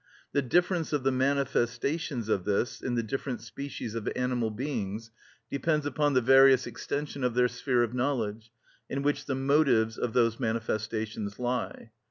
The difference of the manifestations of this in the different species of animal beings depends upon the various extension of their sphere of knowledge, in which the motives of those manifestations lie.